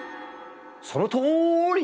そのとおり！